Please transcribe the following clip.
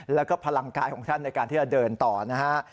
แล้วก็พลังกายของท่านในการที่จะเดินต่อนะฮะ